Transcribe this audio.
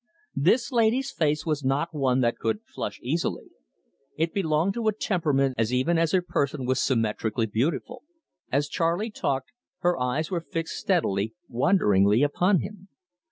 This lady's face was not one that could flush easily; it belonged to a temperament as even as her person was symmetrically beautiful. As Charley talked, her eyes were fixed steadily, wonderingly upon him.